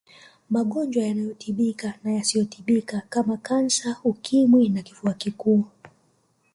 magonjwa yanayotibika na yasiyotibika kama kansa ukimwi na kifua kikuu